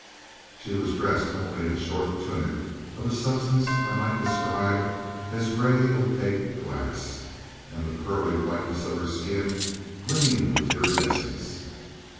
"She was dressed only in a short tunic of a substance I might describe as gray opaque glass, and the pearly whiteness of her skin gleamed with iridescence.